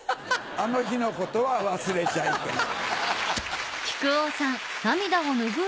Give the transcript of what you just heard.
あの日の事は忘れちゃいけない。